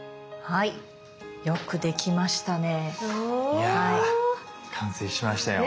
いや完成しましたよ。ね。